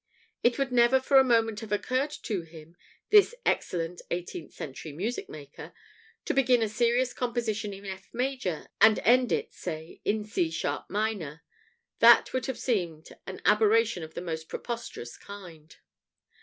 It would never for a moment have occurred to him this excellent eighteenth century music maker to begin a serious composition in F major and end it, say, in C sharp minor: that would have seemed an aberration of the most preposterous kind.